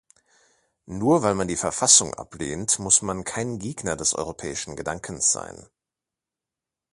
Nur weil man die Verfassung ablehnt, muss man kein Gegner des europäischen Gedankens sein.